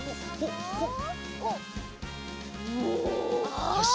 よし！